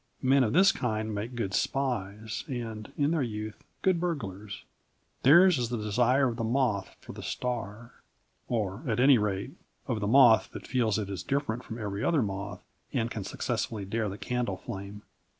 Men of this kind make good spies, and, in their youth, good burglars. Theirs is the desire of the moth for the star or at any rate of the moth that feels it is different from every other moth and can successfully dare the candle flame.